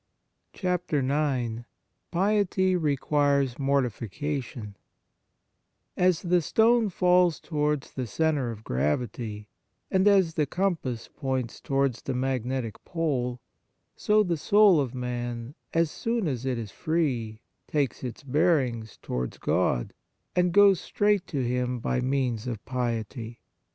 IX PIETY REQUIRES MORTIFI CATION AS the stone falls towards the cen tre of gravity, and as the com pass points towards the magnetic pole, so the soul of man, as soon as it is free, takes its bearings towards God, and goes straight to Him by means of piety.